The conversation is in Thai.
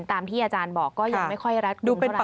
ตามที่อาจารย์บอกก็ยังไม่ค่อยรัดกลุ่มเท่าไห